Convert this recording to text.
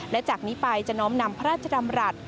และจากนี้ไปจะน้อมนำพระราชดำรัฐ